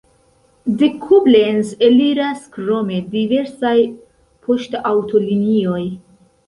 De Koblenz eliras krome diversaj poŝtaŭtolinioj.